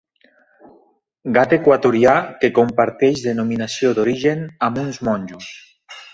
Gat equatorià que comparteix denominació d'origen amb uns monjos.